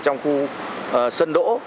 trong khu sân đỗ